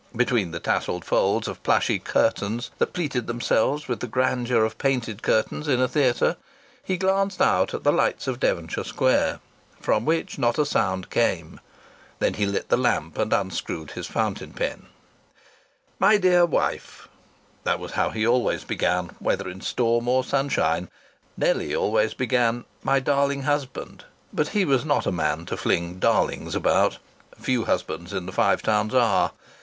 Between the tasselled folds of plushy curtains that pleated themselves with the grandeur of painted curtains in a theatre, he glanced out at the lights of Devonshire Square, from which not a sound came. Then he lit the lamp and unscrewed his fountain pen. "My dear wife " That was how he always began, whether in storm or sunshine. Nellie always began, "My darling husband," but he was not a man to fling "darlings" about. Few husbands in the Five Towns are.